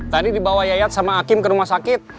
tadi dibawa yayat sama hakim ke rumah sakit